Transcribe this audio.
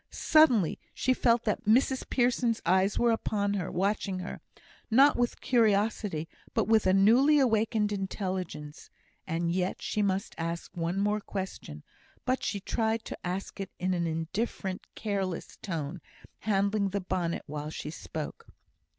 Suddenly she felt that Mrs Pearson's eyes were upon her, watching her; not with curiosity, but with a newly awakened intelligence; and yet she must ask one more question; but she tried to ask it in an indifferent, careless tone, handling the bonnet while she spoke.